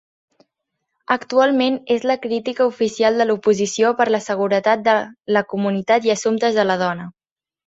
Actualment és la Crítica Oficial de l'Oposició per a la Seguretat de la Comunitat i Assumptes de la Dona.